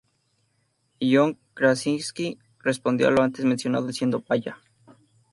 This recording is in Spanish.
John Krasinski respondió a lo antes mencionado diciendo: "¡Vaya!